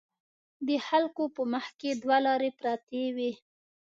د خلکو په مخکې دوه لارې پرتې وي.